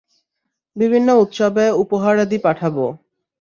বিভিন্ন উৎসবে উপহারাদি পাঠাবো।